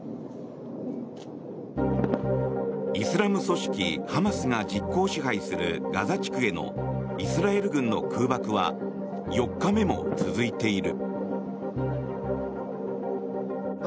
イスラム組織ハマスが実効支配するガザ地区へのイスラエル軍の空爆は４日目も続いている。